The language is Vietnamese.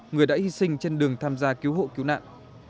người đã hy sinh trên đường tham gia cứu hộ cứu nạn